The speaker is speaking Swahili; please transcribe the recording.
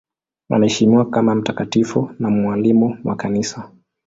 Anaheshimiwa kama mtakatifu na mwalimu wa Kanisa.